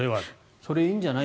それいいんじゃない？